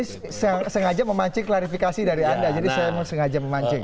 saya sengaja memancing klarifikasi dari anda jadi saya sengaja memancing